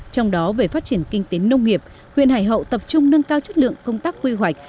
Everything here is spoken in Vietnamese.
trong đó về phát triển kinh tế nông nghiệp huyện hải hậu tập trung nâng cao chất lượng công tác quy hoạch